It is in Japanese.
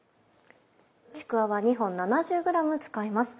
ちくわは２本７０ｇ使います。